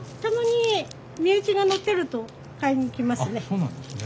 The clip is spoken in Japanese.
そうなんですね。